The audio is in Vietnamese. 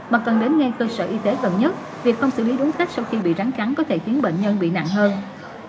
mà cần đến ngay cơ sở y tế gần nhất việc không xử lý đúng cách sau khi bị rắn cắn có thể khiến bệnh nhân bị nặng hơn